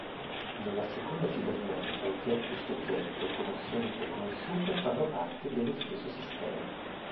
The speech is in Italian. Nella seconda cibernetica oggetto e soggetto, conoscente e conosciuto fanno parte dello stesso sistema.